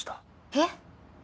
えっ！？